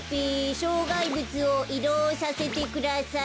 しょうがいぶつをいどうさせてください。